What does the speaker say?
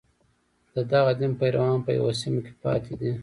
د دغه دین پیروان په یوه سیمه کې پاتې دي.